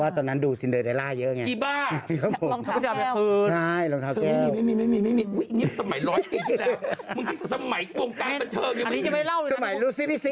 สมัยดูซิพี่ยังมีสมัยรู้ซิพี่